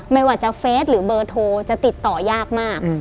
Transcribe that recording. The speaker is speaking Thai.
ไม่ว่าจะเฟสหรือเบอร์โทรจะติดต่อยากมาก